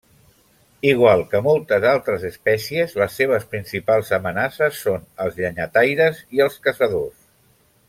Igual que moltes altres espècies, les seves principals amenaces són els llenyataires i els caçadors.